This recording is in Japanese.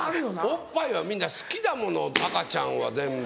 おっぱいはみんな好きだもの赤ちゃんは全部。